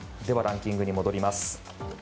ではランキングに戻ります。